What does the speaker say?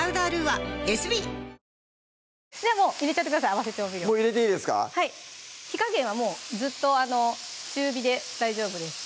合わせ調味料火加減はもうずっと中火で大丈夫です